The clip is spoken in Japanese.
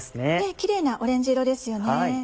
キレイなオレンジ色ですよね。